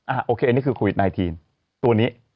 ๕๖๗๘๙อ่ะโอเคอันนี้คือโควิด๑๙ตัวนี้